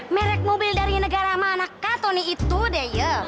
merek mobil dari negara manakah tony itu deh ya